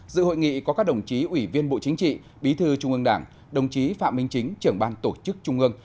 dự hội nghị có các đồng chí ủy viên bộ chính trị bí thư trung ương đảng đồng chí phạm minh chính trưởng ban tổ chức trung ương